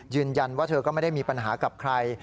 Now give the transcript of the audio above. ยืนยันว่าเธอก็ไม่ได้มีปัญหากับใคร